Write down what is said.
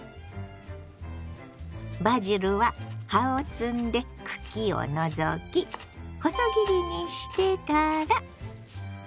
バジルは葉を摘んで茎を除き細切りにしてから。